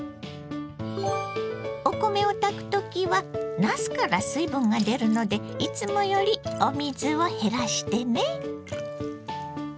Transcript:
お米を炊く時はなすから水分が出るのでいつもよりお水を減らしてね。